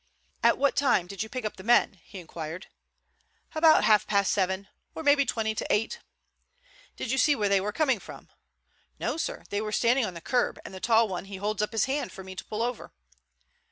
"At what time did you pick up the men?" he inquired. "About half past seven, or maybe twenty to eight" "Did you see where they were coming from?" "No, sir. They were standing on the curb, and the tall one he holds up his hand for me to pull over."